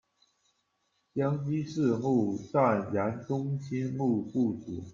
香积寺路站沿东新路布置。